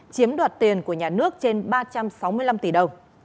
chiếm đoạt tiền của nhà nước trên ba trăm sáu mươi năm tỷ đồng